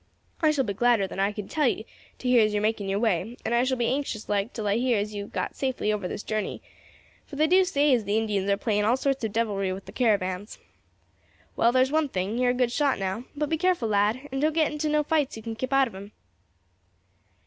I shall be gladder than I can tell you to hear as you're making your way, and I shall be anxious like till I hear as you have got safely over this journey, for they do say as the Indians are playing all sorts of devilry with the caravans. Well, there's one thing, you are a good shot now; but be careful, lad, and don't get into no fights if you can keep out of 'em."